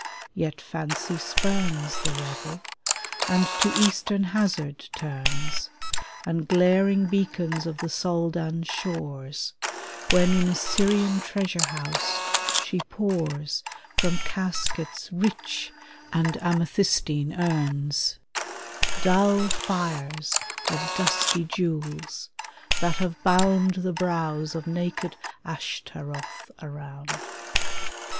Yet Fancy spurns The revel, and to eastern hazard turns, And glaring beacons of the Soldan's shores, When in a Syrian treasure house she pours, From caskets rich and amethystine urns, ii A WINE OF WIZARDRY Dull fires of dusty jewels that have bound The brows of naked Ashtaroth around.